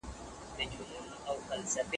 د زکات په ورکولو سره خپله شتمني پاکه کړئ.